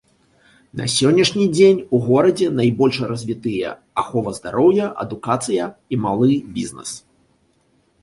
На сённяшні дзень у горадзе найбольш развітыя ахова здароўя, адукацыя і малы бізнес.